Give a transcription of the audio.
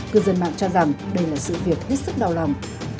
cư dân mạng cho rằng đây là sự việc hết sức đau lòng